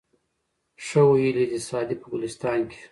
ښه ویلي دي سعدي په ګلستان کي